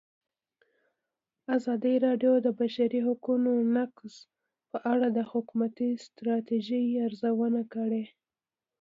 ازادي راډیو د د بشري حقونو نقض په اړه د حکومتي ستراتیژۍ ارزونه کړې.